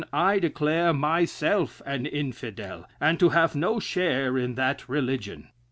I declare myself an Infidel, and to have no share in that religion."